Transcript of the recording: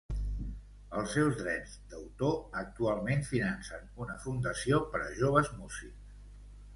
Els seus drets d'autor actualment financen una fundació per a joves músics.